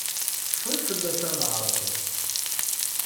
Cfut fell-as a leɛrur!